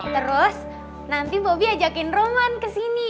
terus nanti bobby ajakin roman kesini